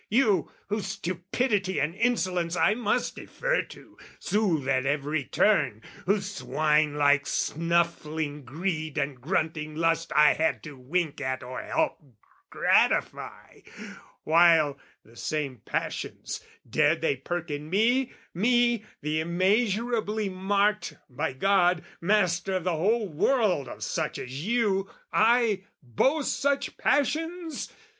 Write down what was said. You, whose stupidity and insolence I must defer to, soothe at every turn, Whose swine like snuffling greed and grunting lust I had to wink at or help gratify, While the same passions, dared they perk in me, Me, the immeasurably marked, by God, Master of the whole world of such as you, I, boast such passions?